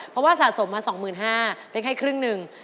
เพราะว่าสะสมมา๒๕๐๐๐บาทเป็นแค่ครึ่งหนึ่ง